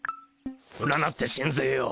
占ってしんぜよう。